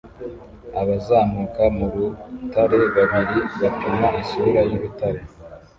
Abazamuka mu rutare babiri bapima isura y'urutare